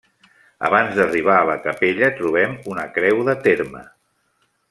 Abans d'arribar a la capella trobem una creu de terme.